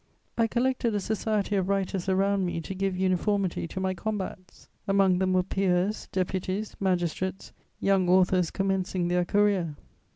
I collected a society of writers around me to give uniformity to my combats. Among them were peers, deputies, magistrates, young authors commencing their career.